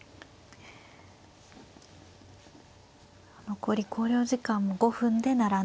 残り考慮時間も５分で並んでいます。